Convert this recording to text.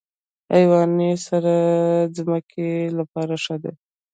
حیواني سره د ځمکې لپاره ښه ده.